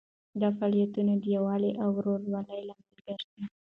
دا فعالیتونه د یووالي او ورورولۍ لامل ګرځي.